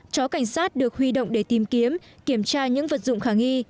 chó cảnh sát được huy động để tìm kiếm kiểm tra những vật dụng khả nghi